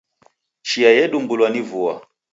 Chia yedumbulwa ni vua